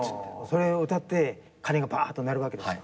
それを歌って鐘がぱーっと鳴るわけですか。